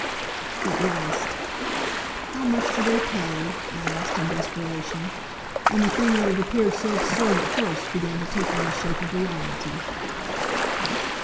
At last "How much do they pay?" I asked, in desperation. And the thing that had appeared so absurd at first began to take on the shape of reality.